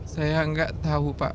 saya gak tau pak